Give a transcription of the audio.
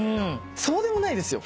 そうでもないですよ。